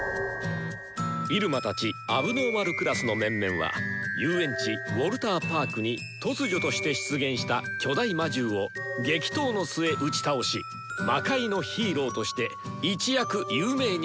入間たち問題児クラスの面々は遊園地ウォルターパークに突如として出現した巨大魔獣を激闘の末打ち倒し魔界のヒーローとして一躍有名になった。